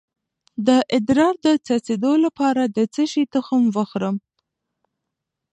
د ادرار د څڅیدو لپاره د څه شي تخم وخورم؟